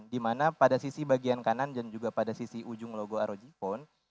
di mana pada sisi bagian kanan dan juga pada sisi ujung logo rog phone